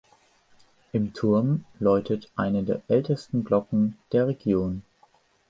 Im Turm läutet eine der ältesten Glocken der Region.